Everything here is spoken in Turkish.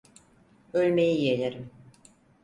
Ölmeyi yeğlerim.